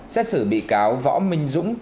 xét xử bị cáo võ minh dũng